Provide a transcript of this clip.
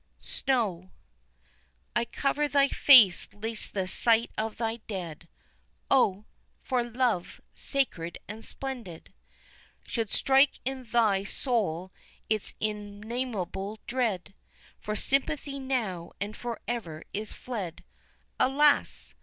Snow. I cover thy face lest the sight of thy dead, (Oh! for love, sacred and splendid.) Should strike in thy soul its unnameable dread, For sympathy now and forever is fled, (Alas!